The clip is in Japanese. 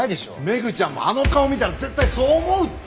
メグちゃんもあの顔見たら絶対そう思うって！